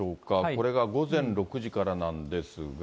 これが午前６時からなんですが。